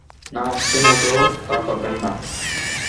না, সে মোটেও তা করবেন না।